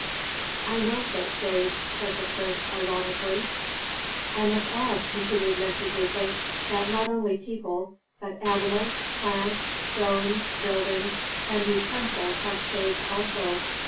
"I know such shades," said the prince ironically. "I must add," continued Mentezufis, "that not only people, but animals, plants, stones, buildings, and utensils have shades also.